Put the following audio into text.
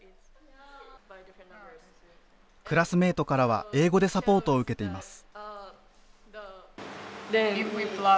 クラスメートからは英語でサポートを受けています。